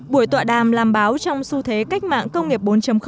buổi tọa đàm làm báo trong xu thế cách mạng công nghiệp bốn